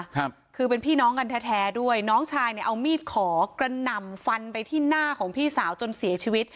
ครับคือเป็นพี่น้องกันแท้แท้ด้วยน้องชายเนี่ยเอามีดขอกระหน่ำฟันไปที่หน้าของพี่สาวจนเสียชีวิต